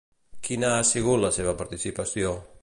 Quina ha sigut la seva participació?